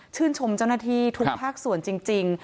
ชมเจ้าหน้าที่ทุกภาคส่วนจริง